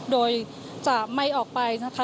โดยจะไม่ออกไปนะคะ